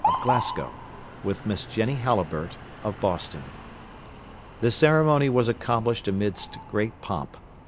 of Glasgow, with Miss Jenny Halliburtt, of Boston. The ceremony was accomplished amidst great pomp.